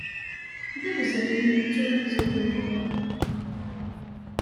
D awezɣi ad nettu amezruy-nneɣ.